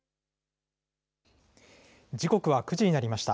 時刻は９時になりました。